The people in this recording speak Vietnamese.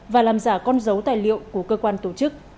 và làm giả con dấu tài liệu của cơ quan tổ chức